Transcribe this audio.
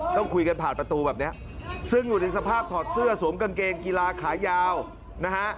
ต้องคุยกันผ่านประตูแบบนี้ซึ่งอยู่ในสภาพถอดเสื้อสวมกางเกงกีฬาขายาวนะฮะ